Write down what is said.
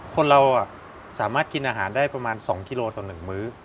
คนเราสามารถกินอาหารได้ประมาณ๒กิโลต่อ๑มื้อ